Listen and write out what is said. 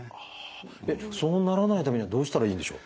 そうならないためにはどうしたらいいんでしょう？